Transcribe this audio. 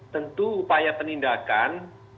tentu upaya penindakan